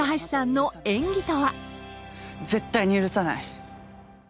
絶対に許さない。